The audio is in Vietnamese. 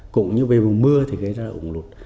cũng như về mùa mưa thì rất là ủng lụt